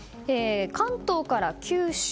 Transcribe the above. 関東から九州